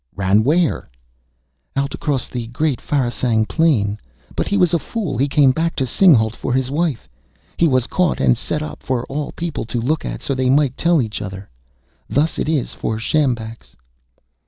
"Ran where?" "Out across Great Pharasang Plain. But he was a fool. He came back to Singhalût for his wife; he was caught and set up for all people to look at, so they might tell each other, 'thus it is for sjambaks.'"